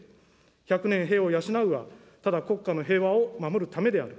百年兵を養うはただ国家の平和を守るためである。